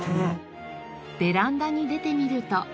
ベランダに出てみると。